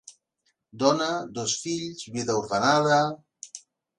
Dona, dos fills, vida ordenada...